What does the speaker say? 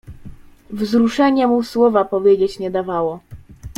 "Wzruszenie mu słowa powiedzieć nie dawało."